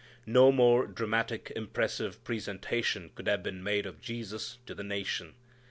_" No more dramatic, impressive presentation could have been made of Jesus to the nation.